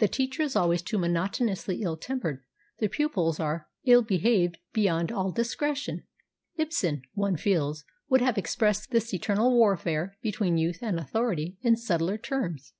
The teacher is always too monotonously ill tempered, the pupils are ill behaved beyond all discretion ; Ibsen, one feels, would have expressed this eternal warfare between youth and authority in subtler terms.